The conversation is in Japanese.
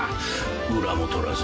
裏も取らずに。